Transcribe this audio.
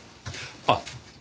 あっ！